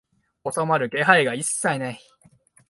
収まる気配が一切ない